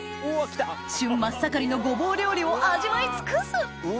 旬真っ盛りのごぼう料理を味わい尽くす！